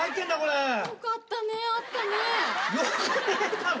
よかったねあったね。